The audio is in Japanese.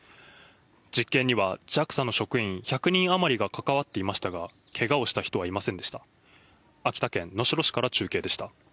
実験にはＪＡＸＡの職員１００人余りが関わっていましたが、けがをした人はいませんでした。